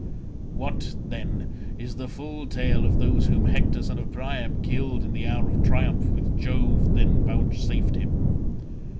What, then is the full tale of those whom Hector son of Priam killed in the hour of triumph which Jove then vouchsafed him?